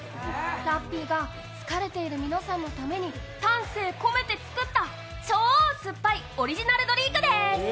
ラッピーが疲れている皆さんのために丹精込めて作った超酸っぱいオリジナルドリンクです。